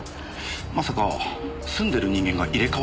まさか住んでる人間が入れ替わったとでも？